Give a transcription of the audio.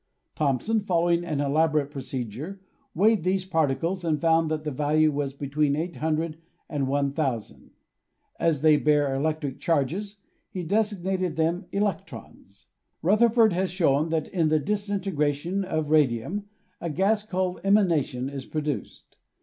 Thomson, following an elaborate procedure, weighed these particles and found that the value was between 800 and 1,000. As they bear electric charges, he designated them electrons. Rutherford has shown that in the disintegration of radium a gas, called emanation, is produced.